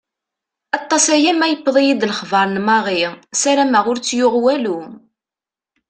Aṭas-aya ma yewweḍ-iyi lexbeṛ n Marie ; ssarameɣ ur tt-yuɣ walu.